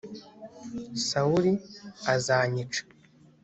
sawuli azanyica .